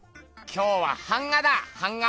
今日は版画だ版画！